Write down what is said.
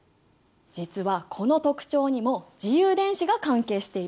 実はこの特徴にも自由電子が関係しているんだ。